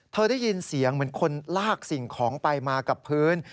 ได้ยินเสียงเหมือนคนลากสิ่งของไปมากับพื้น